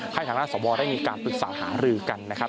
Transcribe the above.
ทางด้านสวได้มีการปรึกษาหารือกันนะครับ